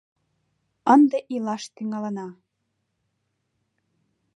Ынде илаш тӱҥалына.